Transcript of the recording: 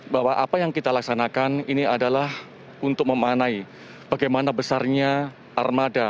bahwa apa yang kita laksanakan ini adalah untuk memanai bagaimana besarnya armada